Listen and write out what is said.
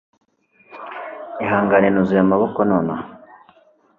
ihangane, nuzuye amaboko nonaha